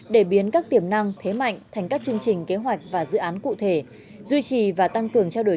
để biến các tiềm năng thế mạnh thành các chương trình kế hoạch và dự án cụ thể duy trì và tăng cường trao đổi